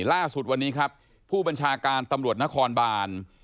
ล่าสุดวันนี้ครับผู้บัญชาการตำรวจนครบาน